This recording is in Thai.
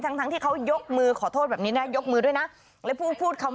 ทั้งทั้งที่เขายกมือขอโทษแบบนี้นะยกมือด้วยนะแล้วพูดพูดคำ